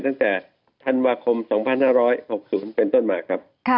ตั้งแต่ถันวาคมสองพันห้าร้อยหกศูนย์เป็นต้นมาครับ